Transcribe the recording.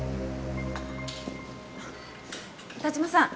田嶋さん。